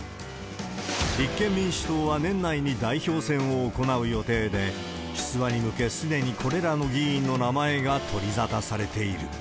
立憲民主党は年内に代表選を行う予定で、出馬に向け、すでにこれらの議員の名前が取りざたされている。